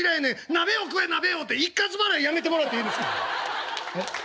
鍋を食え鍋を！って一括払いやめてもらっていいですか？